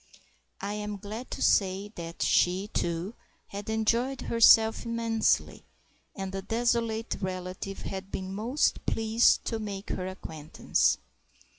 I am glad to say that she, too, had enjoyed herself immensely, and the desolate relative had been most pleased to make her acquaintance.